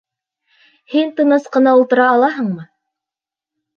Һин тыныс ҡына ултыра алаһыңмы?